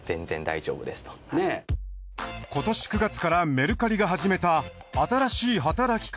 今年９月からメルカリが始めた新しいはたらき方